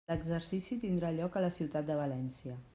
L'exercici tindrà lloc a la ciutat de València.